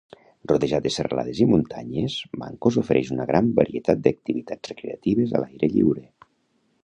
Rodejat de serralades i muntanyes, Mancos ofereix una gran varietat de activitats recreatives a l"aire lliure.